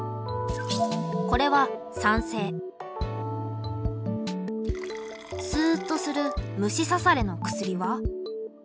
これはすっとする虫さされの薬は？